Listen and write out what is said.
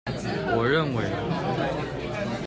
我認為